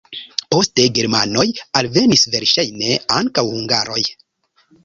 Poste germanoj alvenis, verŝajne ankaŭ hungaroj.